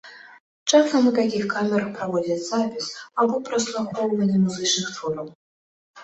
Часам у такіх камерах праводзяць запіс або праслухоўванне музычных твораў.